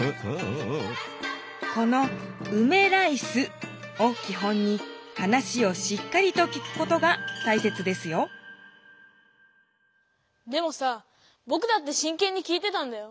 この「うめラいス」をき本に話をしっかりと聞くことが大切ですよでもさぼくだってしんけんに聞いてたんだよ。